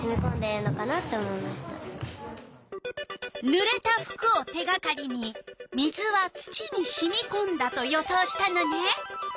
ぬれた服を手がかりに「水は土にしみこんだ」と予想したのね。